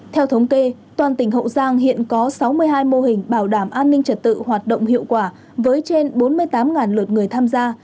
theo thống kê toàn tỉnh hậu giang hiện có sáu mươi hai mô hình bảo đảm an ninh trật tự hoạt động hiệu quả với trên bốn mươi tám lượt người tham gia